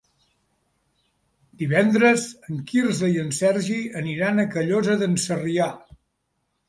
Divendres en Quirze i en Sergi aniran a Callosa d'en Sarrià.